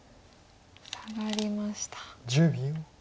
サガりました。